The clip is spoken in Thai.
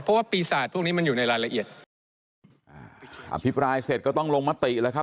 เพราะว่าปีศาจพวกนี้มันอยู่ในรายละเอียดอ่าอภิปรายเสร็จก็ต้องลงมติแล้วครับ